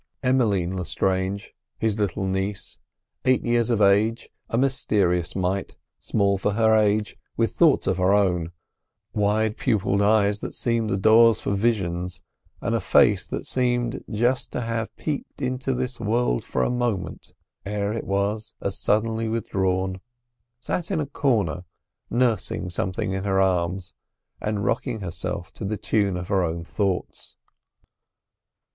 Emmeline Lestrange, his little niece—eight years of age, a mysterious mite, small for her age, with thoughts of her own, wide pupilled eyes that seemed the doors for visions, and a face that seemed just to have peeped into this world for a moment ere it was as suddenly withdrawn—sat in a corner nursing something in her arms, and rocking herself to the tune of her own thoughts.